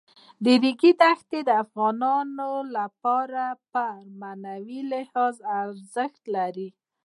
د ریګ دښتې د افغانانو لپاره په معنوي لحاظ ارزښت لري.